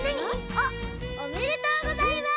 あっおめでとうございます！